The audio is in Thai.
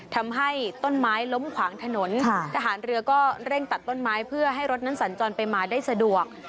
ทำให้ต้นไม้ล้มขวางถนนทหารเรือก็เร่งตัดต้นไม้เพื่อให้รถนั้นสัญจรไปมาได้สะดวก